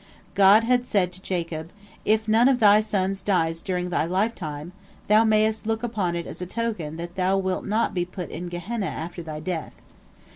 God had said to Jacob, "If none of thy sons dies during thy lifetime, thou mayest look upon it as a token that thou wilt not be put in Gehenna after thy death."